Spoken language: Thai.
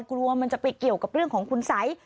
กลัวมันจะไปเกี่ยวกับเรื่องของคุณสัย